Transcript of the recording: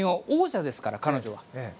王者ですから、彼女は。